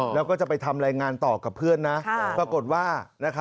แล้วก็จะไปทำรายงานต่อกับเพื่อนนะปรากฏว่า